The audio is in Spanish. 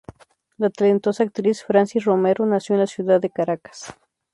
La talentosa actriz Francis Romero nació en la ciudad de Caracas.